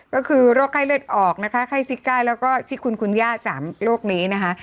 ก็คือโรคไข้เลือดออกนะคะไข้ซิก้าแล้วก็ซิคุณคุณย่า๓โรคนี้นะคะ